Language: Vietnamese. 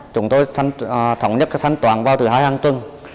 chúng tôi thống nhất sân toàn vào thứ hai hàng chứng